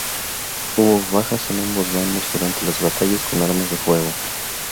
Hubo "bajas en ambos bandos" durante las batallas con armas de fuego.